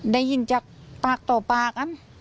ได้ยินจากปากต่อปากกัน